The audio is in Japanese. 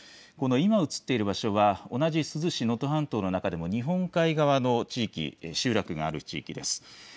今、映っている場所は同じ珠洲市能登半島の中でも日本海側の地域、集落がある地域です。